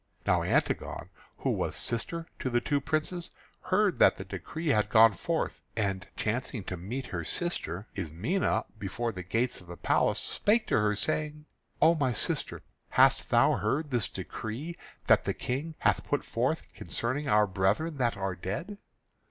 Now Antigone, who was sister to the two princes, heard that the decree had gone forth, and chancing to meet her sister Ismené before the gates of the palace, spake to her, saying: "O my sister, hast thou heard this decree that the King hath put forth concerning our brethren that are dead?"